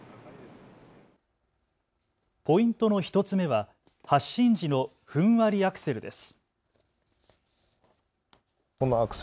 ポイントの１つ目は発進時のふんわりアクセルです。